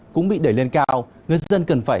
cũng bị đẩy lên cao người dân cần phải